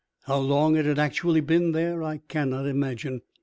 How long it had actually been there I cannot imagine.